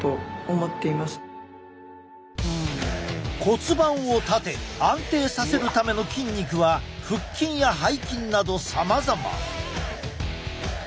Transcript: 骨盤を立て安定させるための筋肉は腹筋や背筋などさまざま。